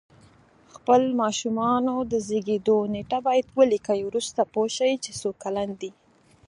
خپل ماشومانو د زیږېدو نېټه باید ولیکئ وروسته پوه شی چې څو کلن دی